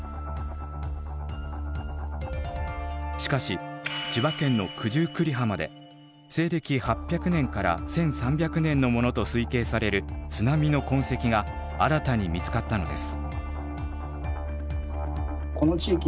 しかし千葉県の九十九里浜で西暦８００年から１３００年のものと推計される津波の痕跡が新たに見つかったのです。